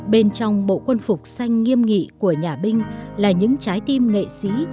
bên trong bộ quân phục xanh nghiêm nghị của nhà binh là những trái tim nghệ sĩ